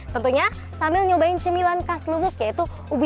tentunya sambil nyobain cemilan kas lubuk yaitu ubi ubi